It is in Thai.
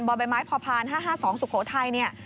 บบพ๕๕๒สุโขทัยเนี่ย